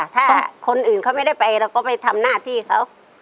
ถ้าคนอื่นเขาไม่ได้ไปเราก็ไปทำหน้าที่เขา